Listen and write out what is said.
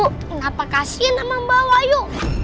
kenapa kasian sama mbak wahyu